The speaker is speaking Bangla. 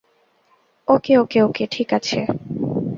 ওকে ওকে ওকে ঠিক আছে।